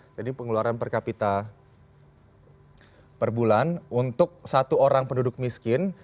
jadi pengeluaran per kapita per bulan untuk satu orang penduduk miskin